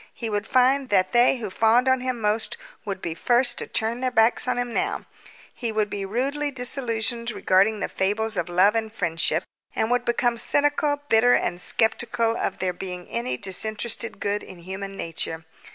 He would find that they who fawned on him most would be first to turn their backs on him now. He would be rudely disillusioned regarding the fables of love and friendship, and would become cynical, bitter, and sceptical of there being any disinterested good in human nature.